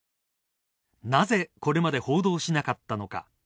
なぜこれまで報道しなかったのか。